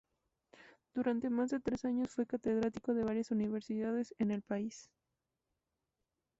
Durante más de tres años fue catedrático de varias universidades en el país.